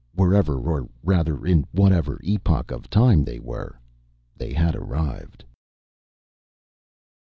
Wherever or rather in whatever epoch of time they were, they had arrived.